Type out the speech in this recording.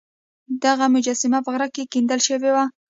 دغه مجسمې په غره کې کیندل شوې وې